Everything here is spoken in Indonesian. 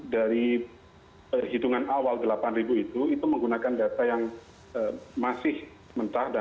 dari hitungan awal delapan ribu itu itu menggunakan data yang masih mentah